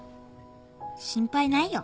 心配ないよ